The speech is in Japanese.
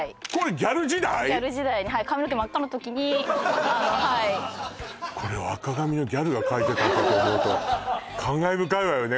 ギャル時代に髪の毛真っ赤の時にはいこれを赤髪のギャルがかいてたのかと思うと感慨深いわよね